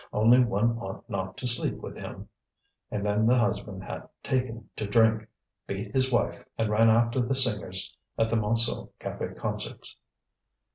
Only one ought not to sleep with him. And then the husband had taken to drink, beat his wife, and ran after the singers at the Montsou café concerts.